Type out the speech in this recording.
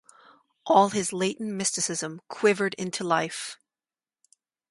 All his latent mysticism quivered into life.